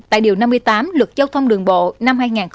tại điều năm mươi tám lực giao thông đường hành